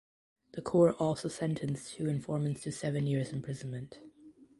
The court also sentenced two informants to seven years imprisonment.